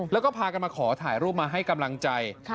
แล้วก็พากันมาขอถ่ายรูปมาให้กำลังใจ